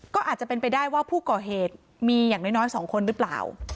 ก็อาจจะเป็นไปได้ว่าผู้ก่อเหตุมีอย่างน้อย๒คนหรือเปล่า